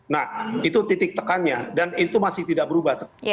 nah itu titik tekannya dan itu masih tidak berubah